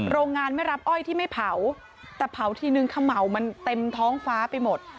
โรงงานไม่รับอ้อยที่ไม่เผาแต่เผาทีนึงเขม่ามันเต็มท้องฟ้าไปหมด